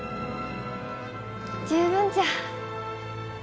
十分じゃ。